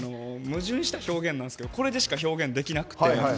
矛盾した表現なんですけどこれでしか表現できなくて。